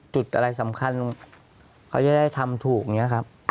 จุดอะไรสำคัญเขาจะได้ทำถูกอย่างนี้ครับ